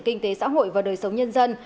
kinh tế xã hội và đời sống nhân dân